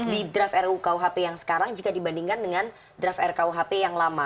di draft rukuhp yang sekarang jika dibandingkan dengan draft rkuhp yang lama